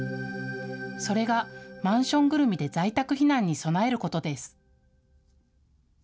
それがマンションぐるみで在宅避難に備えることです。